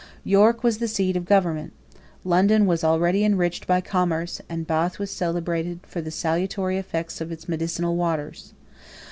York was the seat of government; London was already enriched by commerce; and Bath was celebrated for the salutary effects of its medicinal waters.